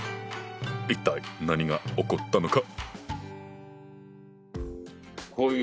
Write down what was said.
一体何が起こったのか！